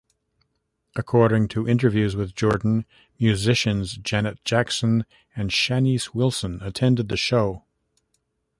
According to interviews with Jordan, musicians Janet Jackson and Shanice Wilson attended the show.